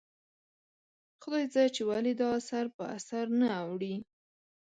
خدایزده چې ولې دا اثر په اثر نه اوړي ؟